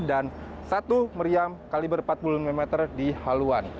dan satu meriam kaliber empat puluh mm di haluan